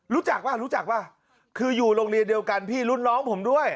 รู้จักป่ะรู้จักป่ะคืออยู่โรงเรียนเดียวกันพี่รุ่นน้องผมด้วย